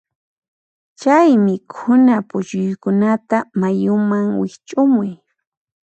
Chay mikhuna puchuykunata mayuman wiqch'umuy.